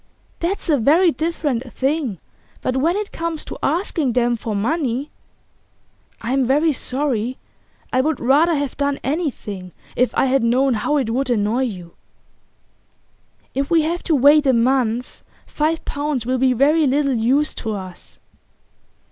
'That's a very different thing. But when it comes to asking them for money ' 'I'm very sorry. I would rather have done anything if I had known how it would annoy you.' 'If we have to wait a month, five pounds will be very little use to us.